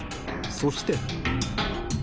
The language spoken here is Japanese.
そして。